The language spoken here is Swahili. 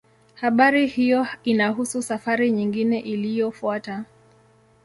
Habari hiyo inahusu safari nyingine iliyofuata.